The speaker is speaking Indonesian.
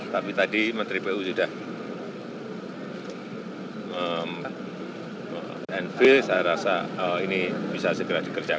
tapi tadi menteri pu sudah meng enfill saya rasa ini bisa segera dikerjakan